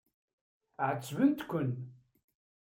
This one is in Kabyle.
Ɛettbent-ken.